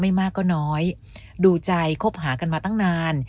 ไม่มากก็น้อยดูใจคบหากันมาตั้งนาน